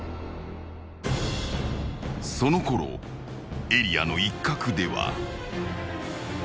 ［そのころエリアの一角では］